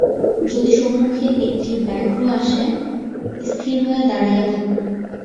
যদি সম্মুখে একটি ব্যাঘ্র আসে, স্থির হইয়া দাঁড়াইয়া থাকুন।